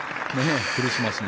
クリスマスの。